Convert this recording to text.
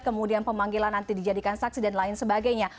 kemudian pemanggilan nanti dijadikan saksi dan lain sebagainya